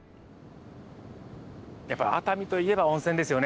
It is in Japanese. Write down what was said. やっぱり熱海といえば温泉ですよね。